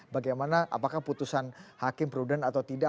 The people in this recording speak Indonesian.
bagaimana apakah putusan hakim prudent atau tidak